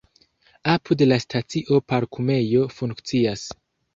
Apud la stacio parkumejo funkcias.